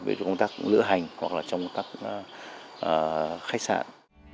ví dụ công tác lữ hành hoặc là trong công tác khách sạn